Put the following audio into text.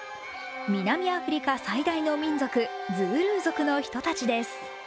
南アフリカ最大の民族ズールー族の人たちです。